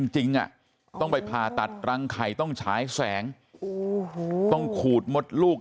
จริงต้องไปผ่าตัดรังไข่ต้องฉายแสงต้องขูดมดลูก